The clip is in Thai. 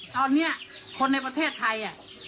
ตอนนี้คนในประเทศไทย